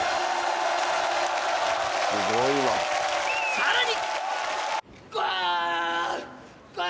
さらに！